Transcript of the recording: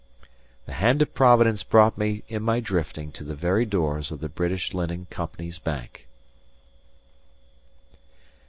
The hand of Providence brought me in my drifting to the very doors of the British Linen Company's bank.